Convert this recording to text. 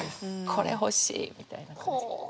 これ欲しいみたいな感じで。